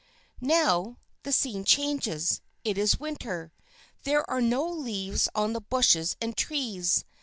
Now the scene changes; it is winter. There are no leaves on the bushes and trees.